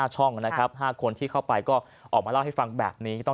จริงหรือไม่จริงแต่พอ